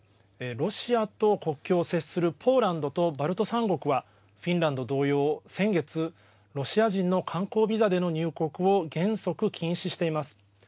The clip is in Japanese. ロシアと国境を接するポーランドとバルト３国はフィンランド同様先月ロシア人の観光ビザでの入国を原則禁止しています。